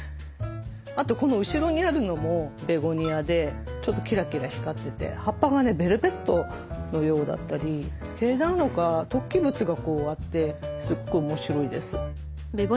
あとこの後ろにあるのもベゴニアでちょっとキラキラ光ってて葉っぱがねベルベットのようだったり毛なのか突起物がこうあってすごく面白いです。